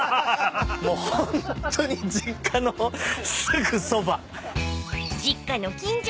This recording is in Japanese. もうホントに実家のすぐそば。